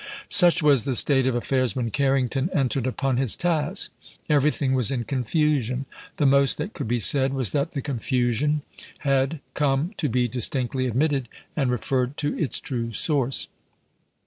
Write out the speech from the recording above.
Such was the state of affairs when Carrington entered upon his task. Everything was in confusion; the most that could be said was that the confusion had come to be distinctly admitted and referred to its true source.